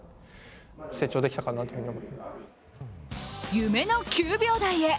夢の９秒台へ。